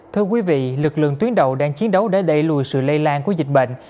thưa quý vị lực lượng tuyến đầu đang chiến đấu để đẩy lùi sự lây lan của dịch bệnh